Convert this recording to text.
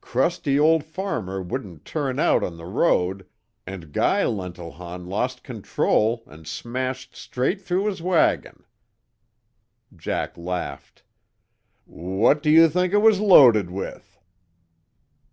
Crusty old farmer wouldn't turn out on the road, and Guy Lentilhon lost control and smashed straight through his wagon!" Jack laughed. "W what do you think it was loaded with?"